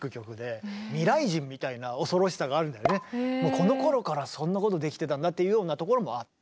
このころからそんなことできてたんだっていうようなところもあって。